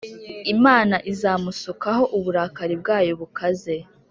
imana izamusukaho uburakari bwayo bukaze